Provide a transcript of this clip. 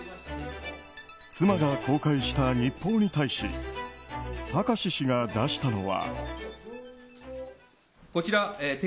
妻が公開した日報に対し貴志氏が出したのは。